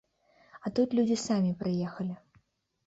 А тут людзі самі прыехалі.